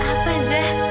ya udah apa zat